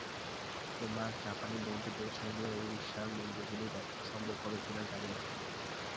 তোমার জাপানী বন্ধুদের সঙ্গে উড়িষ্যার মন্দিরগুলি দেখা সম্ভব হবে কিনা, জানি না।